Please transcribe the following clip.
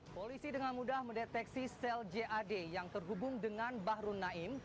polisi dengan mudah mendeteksi sel jad yang terhubung dengan bahru naim